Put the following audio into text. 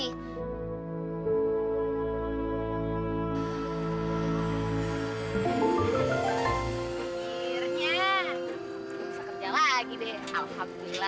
akhirnya bisa kerja lagi deh alhamdulillah